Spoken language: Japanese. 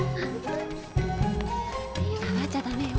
触っちゃダメよ。